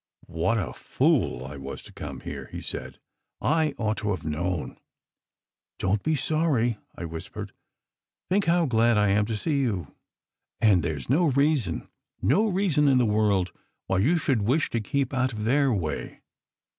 "What a fool I was to come here!" he said. "I ought to have known." "Don t be sorry," I whispered. "Think how glad I am to see you. And there s no reason no reason in the world why you should wish to keep out of their way.